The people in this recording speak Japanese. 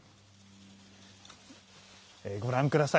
ご覧ください。